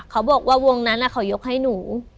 เขาบอกว่าวงนั้นเขายกให้หนู